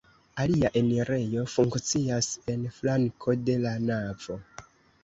Alia enirejo funkcias en flanko de la navo.